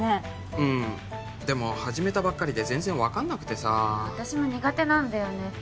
うんでも始めたばっかりで全然分かんなくてさ私も苦手なんだよね